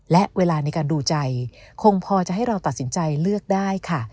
และเวลาในการดูใจคงพอจะให้เราตัดสินใจเลือกได้ค่ะ